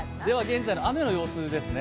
現在の雨の様子ですね。